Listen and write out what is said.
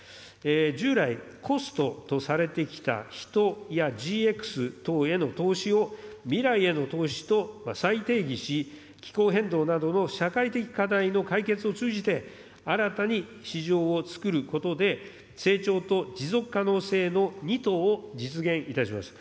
従来コストとされてきた、人やＧＸ等への投資を、未来への投資と再定義し、気候変動などの社会的課題の解決を通じて、新たに市場をつくることで成長と持続可能性の二兎を実現いたします。